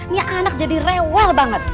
ini anak jadi rewel banget